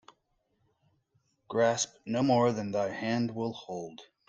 Grasp no more than thy hand will hold.